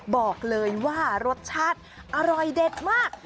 บอกเลยว่ารสชาติอร่อยเด็ดมาก